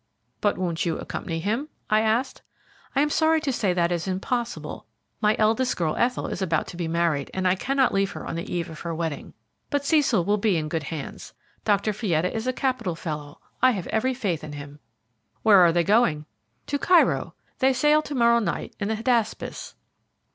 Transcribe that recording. "But won't you accompany him?" I asked. "I am sorry to say that is impossible. My eldest girl, Ethel, is about to be married, and I cannot leave her on the eve of her wedding; but Cecil will be in good hands. Dr. Fietta is a capital fellow I have every faith in him." "Where are they going?" "To Cairo. They sail to morrow night in the Hydaspes."